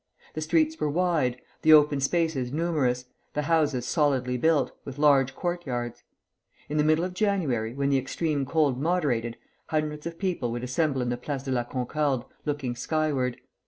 The streets were wide, the open spaces numerous, the houses solidly built, with large courtyards. In the middle of January, when the extreme cold moderated, hundreds of people would assemble in the Place de la Concorde, looking skyward.